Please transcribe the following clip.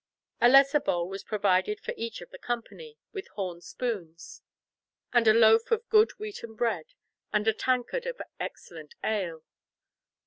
A lesser bowl was provided for each of the company, with horn spoons, and a loaf of good wheaten bread, and a tankard of excellent ale.